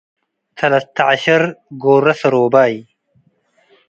ተለተ-ዐቨር ጎረ ሰሮባይ